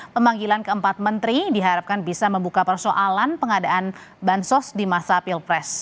pemanggilan keempat menteri diharapkan bisa membuka persoalan pengadaan bansos di masa pilpres